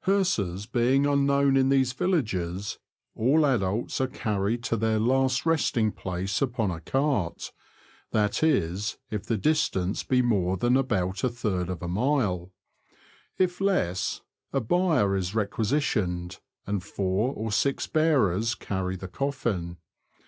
Hearses being unknown in these villages, all adults are carried to their last resting place upon a cart — that is, if the distance be more than about a third of a mile. If less, a bier is requisitioned, and four or six bearers carry the coffin.